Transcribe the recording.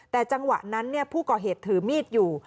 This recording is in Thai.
แต่จังหวะนั้นผู้ก่อเหตุถือมีดอยู่